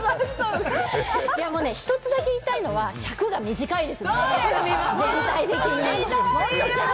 １つだけ言いたいのは尺が短すみません。